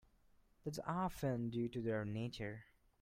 That's often due to their nature.